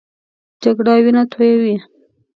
جګړه وینه تویوي